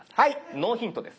ノーヒントです。